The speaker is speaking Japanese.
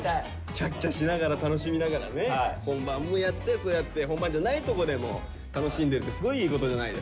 キャッキャしながら楽しみながらね本番もやってそうやって本番じゃないとこでも楽しんでるってすごいいいことじゃないですか。